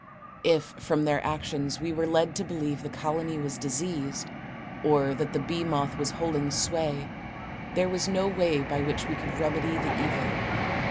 If from their actions we were led to believe the colony was diseased, or that the bee moth was holding sway, there was no way by which we could remedy the evil.